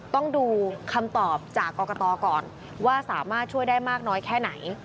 ต้องดูคำตอบจากกรกตก่อนว่าสามารถช่วยได้มากน้อยแค่ไหน